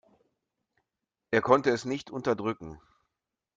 Er konnte es nicht unterdrücken.